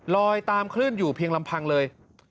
ลอยตามคลื่นอยู่เพียงลำพังเลย